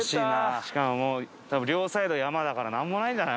しかももう多分両サイド山だからなんもないんじゃない？